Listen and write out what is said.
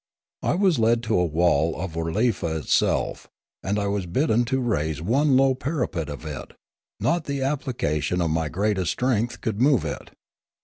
I was led to a wall of Oolorefa itself; and I was bidden to raise one low parapet of it ; riot the application of my greatest strength could move it.